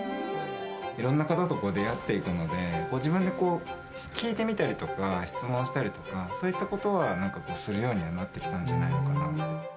いろんな方と出会っていくので、自分で聞いてみたりとか、質問したりとか、そういったことはするようになってきたんじゃないのかなって。